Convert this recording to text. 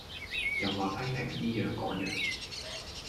又話批評哩樣個樣